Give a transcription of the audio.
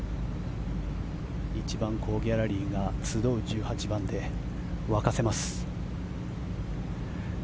一番ギャラリーが集う１８番で沸かせます。